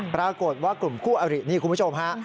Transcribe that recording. ปรากฏว่ากลุ่มคู่อรินี่คุณผู้ชมฮะ